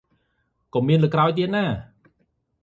កុំមានលើកក្រោយទៀតណា ។